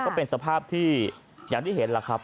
ก็เป็นสภาพที่อย่างที่เห็นล่ะครับ